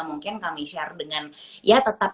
mungkin kami share dengan ya tetap